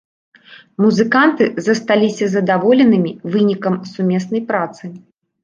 Музыканты засталіся задаволенымі вынікам сумеснай працы.